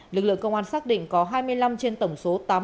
lực lượng công an xác định có hai mươi năm trên tổng số